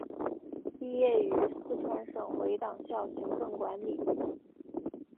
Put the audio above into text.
毕业于四川省委党校行政管理。